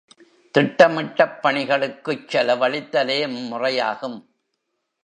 திட்டமிட்டப் பணிகளுக்குச் செலவழித்தலே முறையாகும்.